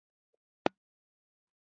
په سیمه کې سور لوګی خپور شو او زه پوه شوم